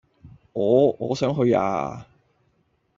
我……我想去呀！